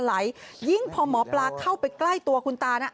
ไหลยิ่งพอหมอปลาเข้าไปใกล้ตัวคุณตานะ